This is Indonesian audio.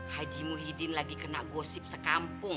haji muhyiddin lagi kena gosip sekampung